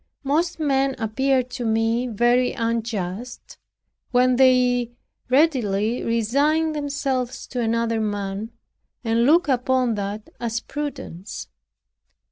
Most men appear to me very unjust, when they readily resign themselves to another man, and look upon that as prudence.